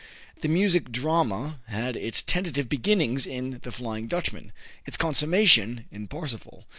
The music drama had its tentative beginnings in "The Flying Dutchman," its consummation in "Parsifal."